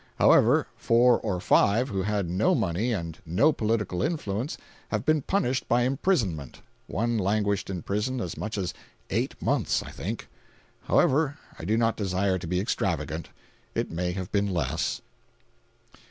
However, four or five who had no money and no political influence have been punished by imprisonment—one languished in prison as much as eight months, I think. However, I do not desire to be extravagant—it may have been less.